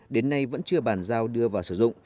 đến nay vẫn chưa bàn giao đưa vào sử dụng